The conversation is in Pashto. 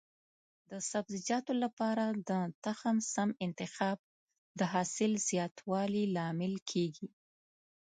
د سبزیجاتو لپاره د تخم سم انتخاب د حاصل زیاتوالي لامل کېږي.